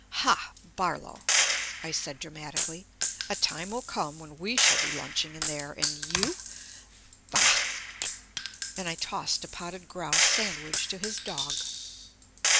"Ha, Barlow," I said dramatically, "a time will come when we shall be lunching in there, and you bah!" And I tossed a potted grouse sandwich to his dog.